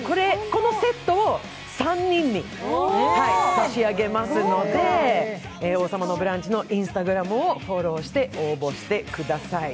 このセットを３人に差し上げますので、「王様のブランチ」のＩｎｓｔａｇｒａｍをフォローして応募してください。